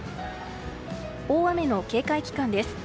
大雨の警戒期間です。